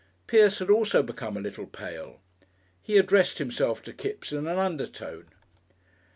Pierce had also become a little pale. He addressed himself to Kipps in an undertone.